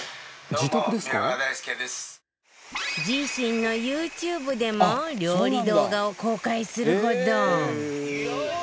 自身の ＹｏｕＴｕｂｅ でも料理動画を公開するほど